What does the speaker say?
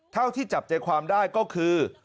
เท่าที่จับใจความได้ก็คือ